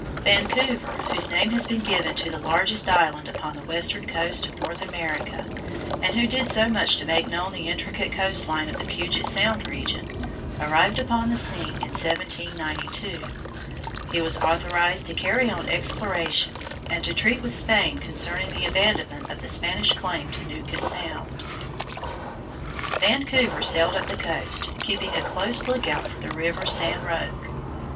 Vancouver, whose name has been given to the largest island upon the western coast of North America, and who did so much to make known the intricate coast line of the Puget Sound region, arrived upon the scene in 1792. He was authorized to carry on explorations, and to treat with Spain concerning the abandonment of the Spanish claim to Nootka Sound. Vancouver sailed up the coast, keeping a close lookout for the river San Roque.